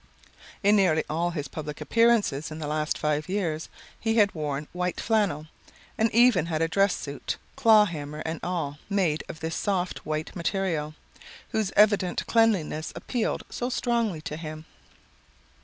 In nearly all his public appearances in the last five years he had worn white flannel, and even had a dress suit, claw hammer and all, made of this soft white material, whose evident cleanliness appealed so strongly to him.